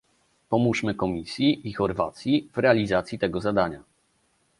Pomóżmy Komisji i Chorwacji w realizacji tego zadania